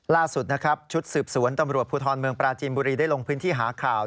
ล่าสุดนะครับชุดสืบสวนตำรวจภูทรเมืองปราจีนบุรีได้ลงพื้นที่หาข่าว